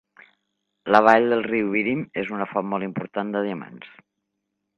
La vall del riu Birim és una font molt important de diamants.